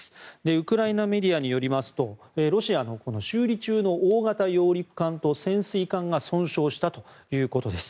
ウクライナメディアによりますとロシアの修理中の大型揚陸艦と潜水艦が損傷したということです。